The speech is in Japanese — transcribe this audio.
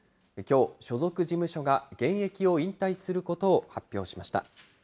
きょう、所属事務所が現役を引退することを発表しました。